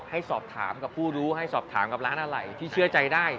ให้สอบถามกับผู้รู้ให้สอบถามกับร้านอะไรที่เชื่อใจได้